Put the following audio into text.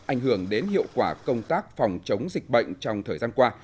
ảnh hưởng đến hiệu quả công tác phòng chống dịch bệnh trong thời gian qua